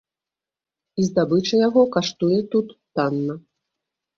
І здабыча яго каштуе тут танна.